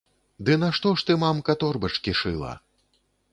Ды нашто ж ты, мамка, торбачкі шыла?!